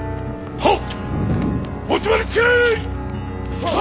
はっ。